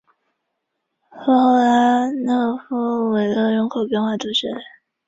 富后拉讷夫维勒人口变化图示